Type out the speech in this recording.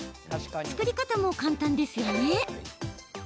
作り方も簡単ですよね。